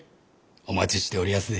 お待ちしておりやすぜ。